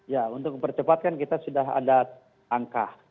ya untuk mempercepatkan kita sudah ada angka